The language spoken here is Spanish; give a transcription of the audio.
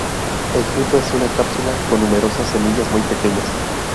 El fruto es una cápsula con numerosas semillas muy pequeñas.